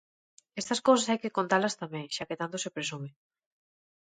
Estas cousas hai que contalas tamén xa que tanto se presume.